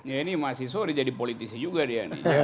ya ini mahasiswa udah jadi politisi juga dia nih